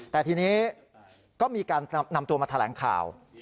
แต่ทีนี้ก็มีการนำตัวมาแถลงข่าว